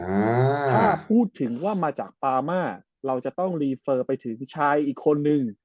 ถ้าพูดถึงว่ามาจากปามาเราจะต้องรีเฟอร์ไปถึงชายอีกคนนึง